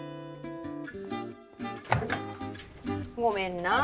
ごめんなあ